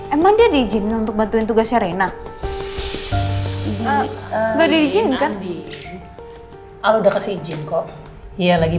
emang dia ada izin untuk bantuin tugasnya rina nggak diizinkan kamu udah kasih izin kok iya lagi